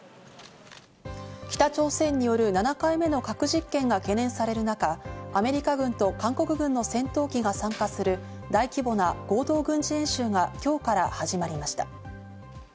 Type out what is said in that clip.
北朝鮮による７回目の核実験が懸念される中、アメリカ軍と韓国軍の戦闘機が参加する大規模な合同軍事演習が今日から始まりました。